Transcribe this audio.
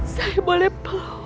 saya boleh peluk